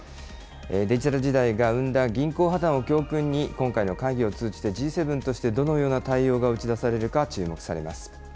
デジタル時代が生んだ銀行破綻を教訓に、今回の会議を通じて、Ｇ７としてどのような対応が打ち出されるか注目されます。